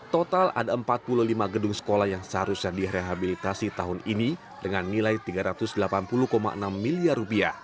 total ada empat puluh lima gedung sekolah yang seharusnya direhabilitasi tahun ini dengan nilai rp tiga ratus delapan puluh enam miliar